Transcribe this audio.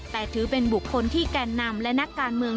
แต่ถือเป็นบุคคลที่แก่นนำและนักการเมือง